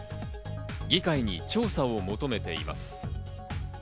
議会に調査を求めています。